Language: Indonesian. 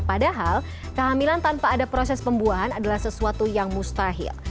padahal kehamilan tanpa ada proses pembuahan adalah sesuatu yang mustahil